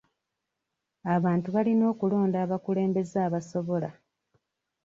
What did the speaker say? Abantu balina okulonda abakulembeze abasobola.